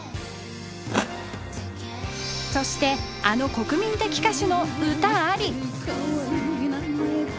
そしてあの国民的歌手の歌あり。